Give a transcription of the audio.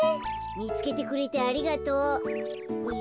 みつけてくれてありがとう。